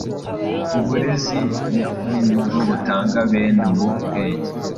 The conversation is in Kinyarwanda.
Uburezi nyakuri ni bwo butanga bene ubu bwenge.